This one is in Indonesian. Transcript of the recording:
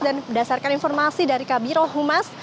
dan berdasarkan informasi dari kabiro humas